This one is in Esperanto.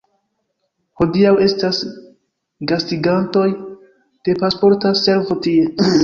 Hodiaŭ estas gastigantoj de Pasporta Servo tie.